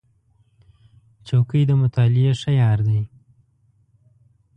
چوکۍ د مطالعې ښه یار دی.